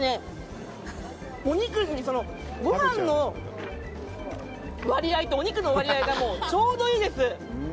ご飯の割合とお肉の割合がちょうどいいです。